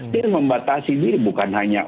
dia membatasi diri bukan hanya